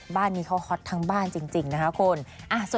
บ้านนี้เขาฮอตทั้งบ้านจริงนะคะคุณ